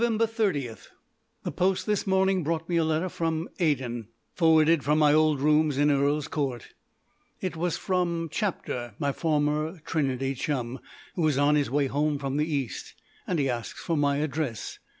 30. The post this morning brought me a letter from Aden, forwarded from my old rooms in Earl's Court. It was from Chapter, my former Trinity chum, who is on his way home from the East, and asks for my address.